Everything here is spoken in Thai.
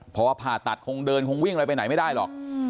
พอผ่าตัดคงเดินคงวิ่งอะไรไปไหนไม่ได้หรอก